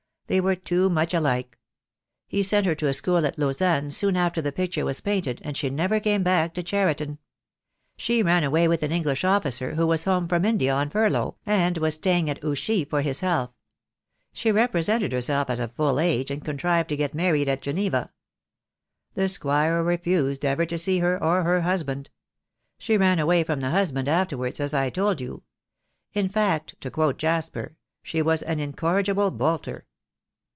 They were too much alike. He sent her to a school at Lausanne soon after that picture was painted, and she never came back to Cheriton. She ran away with an English officer who was home from India The Day will come. I, a 5<3 THE DAY WILL COME. on furlough, and was staying at Ouchy for his health. She represented herself as of full age, and contrived to get married at Geneva. The squire refused ever to see her or her husband. She ran away from the husband afterwards, as I told you. In fact, to quote Jasper, she was an incorrigible bolter."